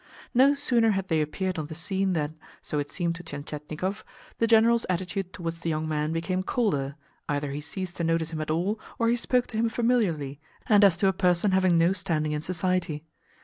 No sooner had they appeared on the scene than (so it seemed to Tientietnikov) the General's attitude towards the young man became colder either he ceased to notice him at all or he spoke to him familiarly, and as to a person having no standing in society.